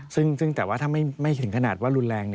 ซึ่งแต่ว่าถ้าไม่ถึงขนาดว่ารุนแรง